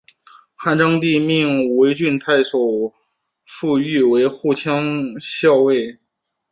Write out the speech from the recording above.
汉章帝命武威郡太守傅育为护羌校尉。